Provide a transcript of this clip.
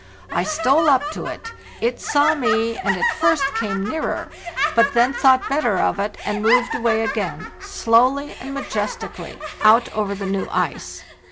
I stole up to it; it saw me and at first came nearer, but then thought better of it, and moved away again, slowly and majestically, out over the new ice.